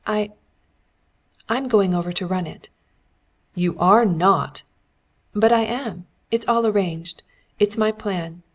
I I'm going over to run it." "You are not!" "But I am! It's all arranged. It's my plan.